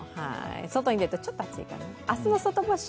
外に出るとちょっと暑いかな。